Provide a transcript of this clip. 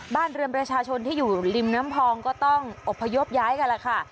บ้านเรือนประชาชนที่อยู่ริมน้ำพองก็ต้องอบพยพย้ายกันล่ะค่ะ